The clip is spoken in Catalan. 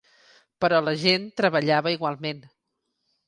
Però la gent treballava igualment.